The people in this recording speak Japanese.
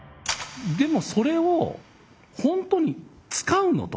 でもそれをほんとに使うのと。